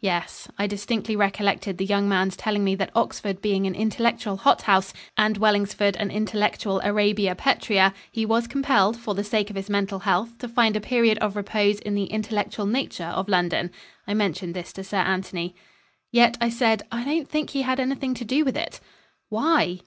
Yes. I distinctly recollected the young man's telling me that Oxford being an intellectual hothouse and Wellingsford an intellectual Arabia Petrea, he was compelled, for the sake of his mental health, to find a period of repose in the intellectual Nature of London. I mentioned this to Sir Anthony. "Yet," I said, "I don't think he had anything to do with it." "Why?"